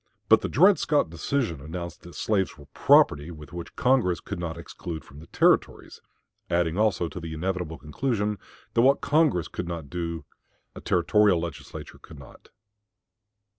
But the Dred Scott decision announced that slaves were property which Congress could not exclude from the Territories, adding also the inevitable conclusion that what Congress could not do a Territorial Legislature could not.